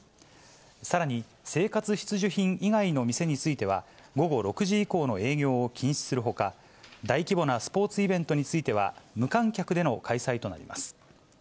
さらに生活必需品以外の店については、午後６時以降の営業を禁止するほか、大規模なスポーツイベントについては、無観客での開催となります。